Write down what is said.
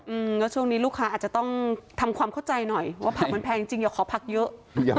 อืมแล้วช่วงนี้ลูกค้าอาจจะต้องทำความเข้าใจหน่อยว่าผักมันแพงจริงอย่าขอผักเยอะ